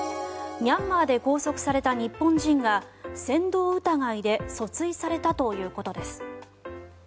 ミャンマーで拘束された日本人が扇動疑いで訴追されたということです。